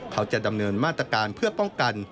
เขาจะดำเนินมาตรการเพื่อป้องกัน